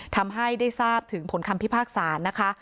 ทำให้ได้ทราบถึงผลคำพิพากษานะคะ